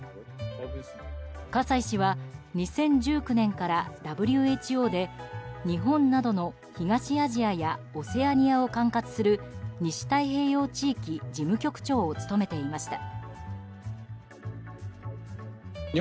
葛西氏は２０１９年からＷＨＯで日本などの東アジアやオセアニアを管轄する西太平洋地域事務局長を務めてきました。